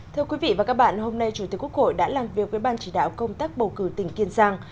thưa quý vị và các bạn hôm nay chủ tịch quốc hội đã làm việc với ban chỉ đạo công tác bầu cử tỉnh kiên giang